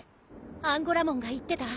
アンゴラモンが言ってた。